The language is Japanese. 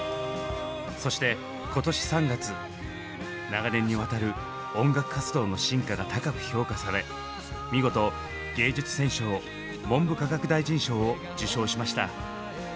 そして今年３月長年にわたる音楽活動の進化が高く評価され見事芸術選奨文部科学大臣賞を受賞しました。